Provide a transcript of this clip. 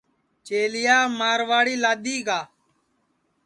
چیلِیا مارواڑی لادؔی گا